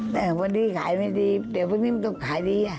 แต่วะนี่ขายไม่ดีเดี๋ยววันนี้มันก็ขายดี